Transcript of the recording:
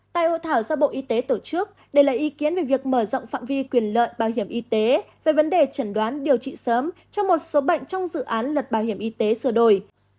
tại hội thảo do bộ y tế tổ chức để lấy ý kiến về việc mở rộng phạm vi quyền lợi bảo hiểm y tế về vấn đề chẩn đoán điều trị sớm cho một số bệnh trong dự án luật bảo hiểm y tế sửa đổi